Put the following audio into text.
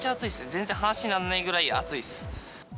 全然話にならないぐらい暑いです。